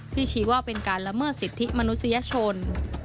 ชี้ว่าเป็นการละเมิดสิทธิมนุษยชน